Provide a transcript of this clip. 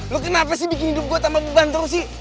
lo kenapa sih bikin hidup gue tambah beban terus sih